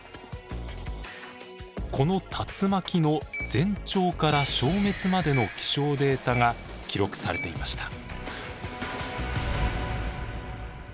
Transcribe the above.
この竜巻の前兆から消滅までの気象データが記録されていました。